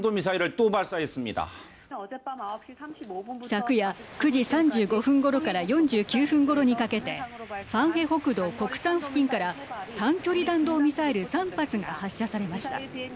昨夜９時３５分ごろから４９分ごろにかけてファンヘ北道コクサン付近から短距離弾道ミサイル３発が発射されました。